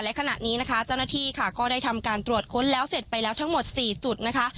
และขณะนี้นะคะเจ้าหน้าที่ค่ะก็ได้ทำการตรวจค้นแล้วเสร็จไปแล้วทั้งหมด๔จุดนะคะ